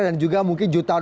dan juga mungkin jutaan orang